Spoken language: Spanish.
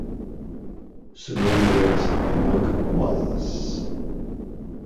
Su nombre es Enoch Wallace.